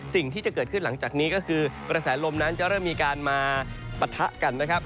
สิ่งที่จะเกิดขึ้นหลังจากนี้ก็คือกระแสลมนั้นจะเริ่มมีการมาปะทะกันนะครับ